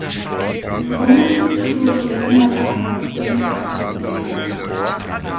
Vermutlich führte ehemals eine hölzerne Treppe in die Burg.